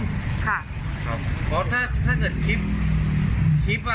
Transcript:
ค่ะครับเพราะถ้าถ้าเกิดคลิปคลิปอ่ะ